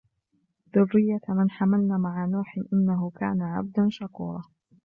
ذُرِّيَّةَ مَنْ حَمَلْنَا مَعَ نُوحٍ إِنَّهُ كَانَ عَبْدًا شَكُورًا